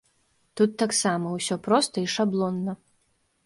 Тут таксама ўсё проста і шаблонна.